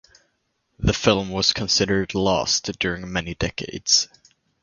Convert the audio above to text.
The film was considered lost during many decades.